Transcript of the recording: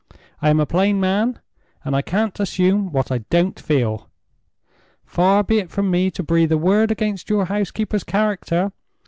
I am a plain man, and I can't assume what I don't feel. Far be it from me to breathe a word against your housekeeper's character.